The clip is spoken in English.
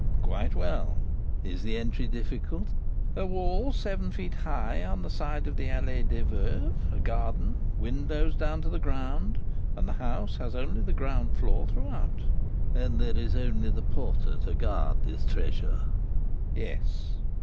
"Quite well." "Is the entry difficult?" "A wall seven feet high on the side of the Allée des Veuves, a garden, windows down to the ground, and the house has only the ground floor throughout." "And there is only the porter to guard this treasure?" "Yes."